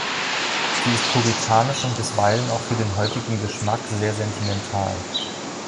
Sie ist puritanisch und bisweilen auch für heutigen Geschmack sehr sentimental.